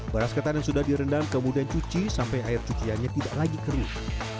beras ketan yang sudah direndam kemudian cuci sampai air cuciannya tidak lagi kering